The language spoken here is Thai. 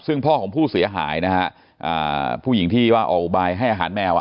ซึ่งพ่อของผู้เสียหายนะฮะผู้หญิงที่ว่าออกอุบายให้อาหารแมว